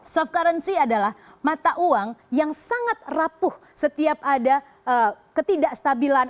soft currency adalah mata uang yang sangat rapuh setiap ada ketidakstabilan